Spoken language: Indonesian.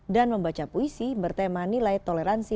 dan membaca puisi bertema nilai toleransi